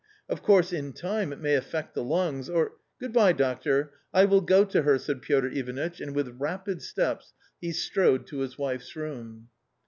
Of course, in time it may affect the lungs, or "" Good bye, doctor* I will go to her," said Piotr Ivanitch, and with rapid steps he strode to his wife's room.